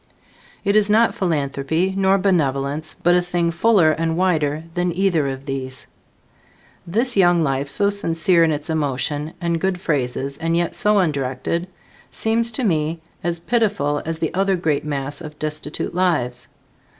It is not philanthropy nor benevolence, but a thing fuller and wider than either of these. This young life, so sincere in its emotion and good phrases and yet so undirected, seems to me as pitiful as the other great mass of destitute lives.